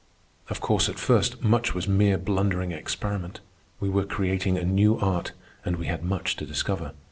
Of course, at first, much was mere blundering experiment. We were creating a new art, and we had much to discover.